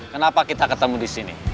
kenapa kita ketemu disini